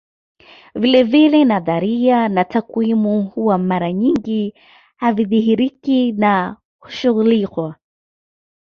Vilevile nadharia na takwimu huwa mara nyingi havidhihiriki na hushughulikwa